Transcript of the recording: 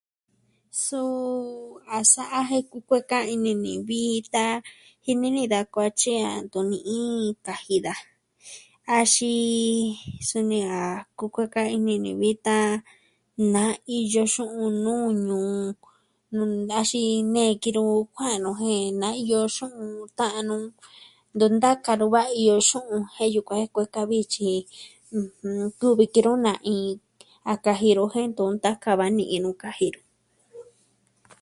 Suu a sa'a jen kukueka ini ni vi tan jinini da kuatyi an tonii kaji daa, axin, suni a kukueka ini ni vitan, na iyo xu'un nuu ñuu, axin, nee kinu kuaan nu jen na iyo xu'un ta'an nu. Do nta kanu va iyo xu'un jen yukuan jen kukueka vi tyi tun vi ki nu na'in a kaji ro jen ntu ntaka va'a ni nuu kaji ro.